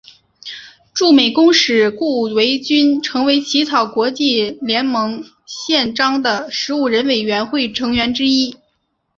驻美公使顾维钧成为起草国际联盟宪章的十五人委员会成员之一。